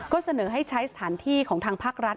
ก็เสนอให้ใช้สถานที่ของทางภาครัฐ